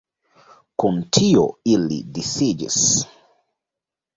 Kun tio ili disiĝis.